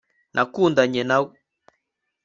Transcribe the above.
nakundanye nawe